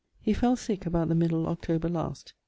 He fell sick about the middle October last.